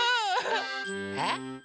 えっ？